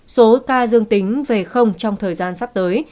số ca dương tính về trong thời gian sắp tới